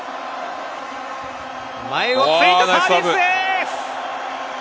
前をついたサービスエース。